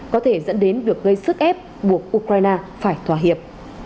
có thể dẫn đến việc gây sức ép buộc ukraine phải thỏa hiệp